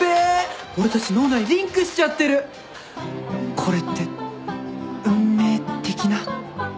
これって運命的な？